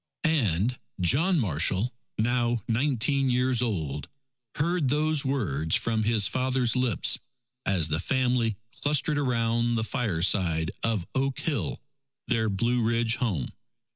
And John Marshall, now nineteen years old, heard those words from his father's lips, as the family clustered around the fireside of Oak Hill, their Blue Ridge home.